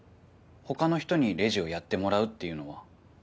他の人にレジをやってもらうっていうのは？